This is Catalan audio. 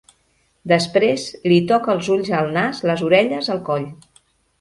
Després li toca els ulls el nas les orelles el coll.